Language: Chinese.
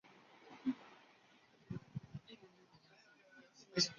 彼得一世奉行伊什特万一世的积极外交政策。